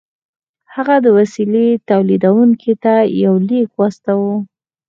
هغه د وسيلې توليدوونکي ته يو ليک واستاوه.